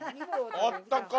・あったかい！